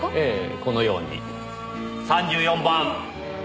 このように３４番！